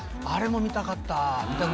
あれも見たかった。